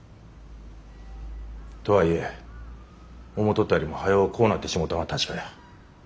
とはいえ思とったよりも早うこうなってしもたんは確かや。